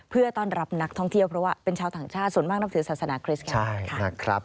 เพื่อต้อนรับนักท่องเที่ยวเพราะว่าเป็นชาวต่างชาติส่วนมากนับถือศาสนาคริสต์กันนะครับ